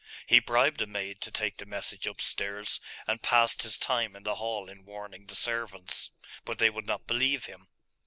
He bribed a maid to take the message upstairs; and passed his time in the hall in warning the servants. But they would not believe him.